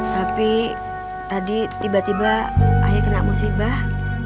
tapi tadi tiba tiba ayah kena musibah